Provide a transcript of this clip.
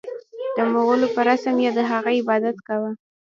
د مغولو په رسم یې د هغه عبادت کاوه.